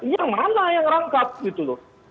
yang mana yang rangkap gitu loh